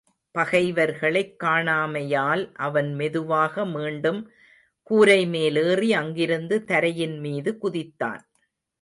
பகைவர்களைக் காணாமையால் அவன் மெதுவாக மீண்டும் கூரைமேலேறி அங்கிருந்து தரையின் மீது குதித்தான்.